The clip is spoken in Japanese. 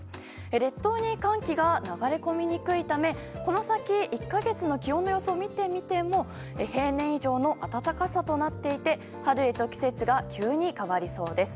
列島に寒気が流れ込みにくいためこの先１か月の気温の予想を見ても平年以上の暖かさとなっていて春へと季節が急に変わりそうです。